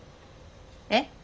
えっ！？